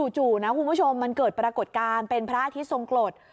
จู่นะคุณผู้ชมมันเกิดปรากฏการณ์เป็นพระอาทิตย์ทรงกรด